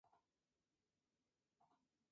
Se encuentra en Camerún.